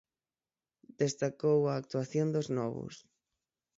Destacou a actuación dos novos.